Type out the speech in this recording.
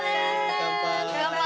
乾杯。